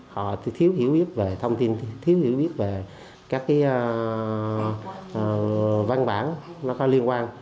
họ thiếu hiểu biết về thông tin thiếu hiểu biết về các cái văn bản nó có liên quan